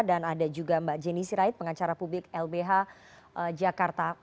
dan ada juga mbak jeni sirait pengacara publik lbh jakarta